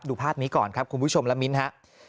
ภาพนี้ก่อนครับคุณผู้ชมและมิ้นฮะ